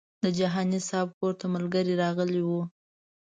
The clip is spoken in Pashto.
د جهاني صاحب کور ته ملګري راغلي وو.